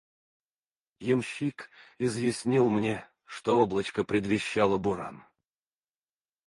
Ямщик изъяснил мне, что облачко предвещало буран.